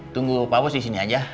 tunggu pak bos disini aja